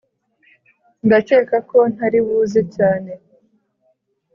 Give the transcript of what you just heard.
ndakeka ko ntari mpuze cyane.